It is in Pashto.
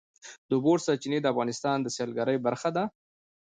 د اوبو سرچینې د افغانستان د سیلګرۍ برخه ده.